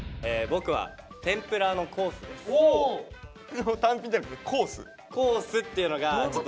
僕は単品じゃなくてコース？